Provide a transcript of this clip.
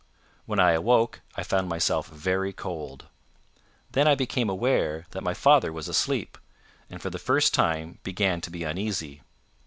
When I awoke I found myself very cold. Then I became aware that my father was asleep, and for the first time began to be uneasy.